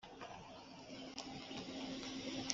Abagitwaye imiheto batinya ku iteme,